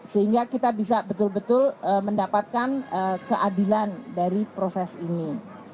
sehingga kita bisa betul betul mendapatkan keadilan dari proses ini